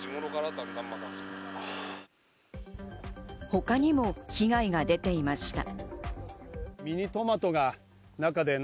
他にも被害が出ていました。